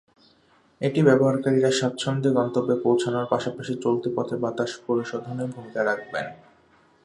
এটি ব্যবহারকারীরা স্বাচ্ছন্দ্যে গন্তব্যে পৌঁছানোর পাশাপাশি চলতি পথে বাতাস পরিশোধনেও ভূমিকা রাখবেন।